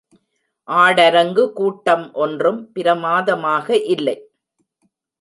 ஆடரங்கு கூட்டம் ஒன்றும் பிரமாதமாக இல்லை.